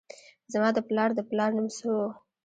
زما د پلار د پلار نوم څه و؟